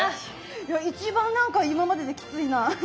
いや一番何か今までできついな。